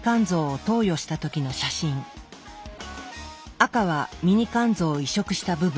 赤はミニ肝臓を移植した部分。